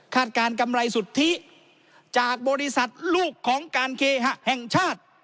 การกำไรสุทธิจากบริษัทลูกของการเคหะแห่งชาติ